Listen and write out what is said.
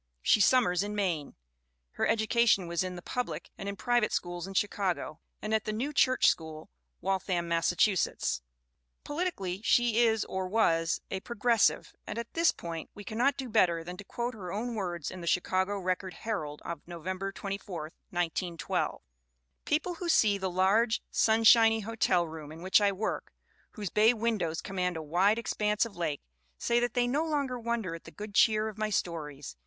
She summers in Maine. Her education was in the public and in pri vate schools in Chicago, and at the New Church School, Waltham, Massachusetts. Politically she is, or was, a Progressive ; and at this point we cannot do better than to quote her own words in the Chicago Record Herald of November 24, 1912: "People who see the large, sunshiny hotel room in which I work, whose bay windows command a wide expanse of lake, say that they no longer wonder at the good cheer of my stories.